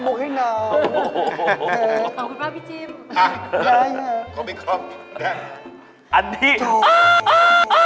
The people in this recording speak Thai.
รู้หรือเปล่าหลังดูท่านนะครับ